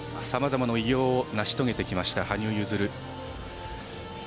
さまざまな偉業を成し遂げてきました羽生結弦。